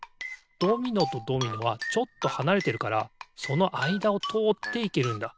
ドミノとドミノはちょっとはなれてるからそのあいだをとおっていけるんだ。